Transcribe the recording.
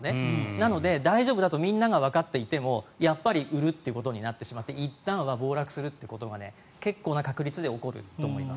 なので、大丈夫だとみんながわかっていてもやっぱり売るとなってしまっていったんは暴落するってことが結構な確率で起こると思います。